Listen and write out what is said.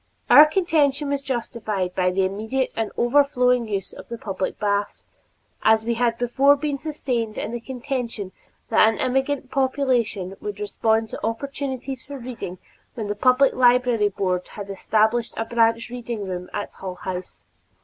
Our contention was justified by the immediate and overflowing use of the public baths, as we had before been sustained in the contention that an immigrant population would respond to opportunities for reading when the Public Library Board had established a branch reading room at Hull House.